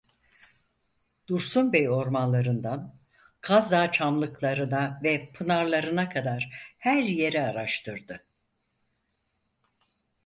Dursun Bey ormanlarından Kazdağ çamlıklarına ve pınarlarına kadar her yeri araştırdı.